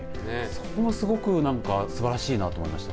そこもすごく、なんかすばらしいなと思いました。